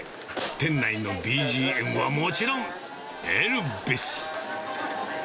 店内のＢＧＭはもちろん、エルヴィス。